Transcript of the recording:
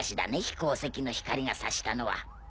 飛行石の光が指したのは。